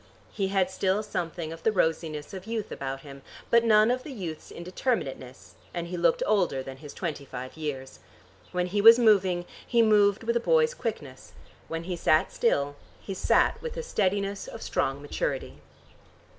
He had still something of the rosiness of youth about him, but none of youth's indeterminateness, and he looked older than his twenty five years. When he was moving, he moved with a boy's quickness; when he sat still he sat with the steadiness of strong maturity.